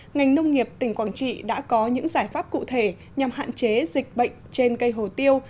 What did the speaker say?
ngành nông nghiệp tỉnh quảng trị đã có những giải pháp cụ thể nhằm hạn chế dịch bệnh trên cây hồ tiêu